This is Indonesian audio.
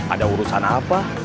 ada urusan apa